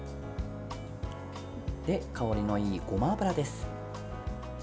香りのいいごま油です。